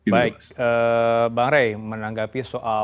baik bang rey menanggapi soal